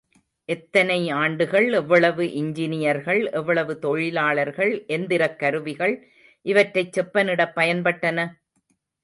எத்தனை ஆண்டுகள் எவ்வளவு இன்ஜியர்கள் எவ்வளவு தொழிலாளர்கள் எந்திரக் கருவிகள் இவற்றைச் செப்ப னிடப் பயன்பட்டன?